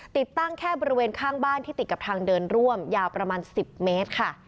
ติดตั้งแค่บริเวณข้างบ้านที่ติดกับทางเดินร่วมยาวประมาณ๑๐เมตรค่ะ